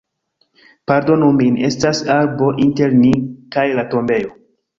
Pardonu min, estas arbo inter ni kaj la tombejo